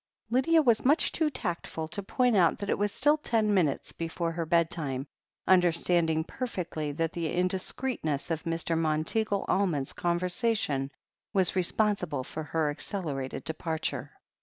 Lydia was much too tactful to point out that it was still ten minutes before her bedtime, tmderstanding perfectly that the indiscreetness of Mr. Monteagle Almond's conversation was responsible for her ac celerated departure.